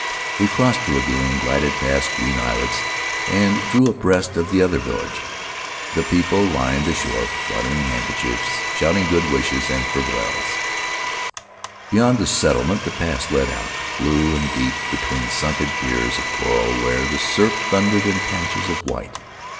We crossed the lagoon, glided past green islets, and drew abreast of the other village. The people lined the shore, fluttering handkerchiefs, shouting good wishes and farewells. "Beyond the settlement the pass led out, blue and deep, between sunken piers of coral, where the surf thundered in patches of white.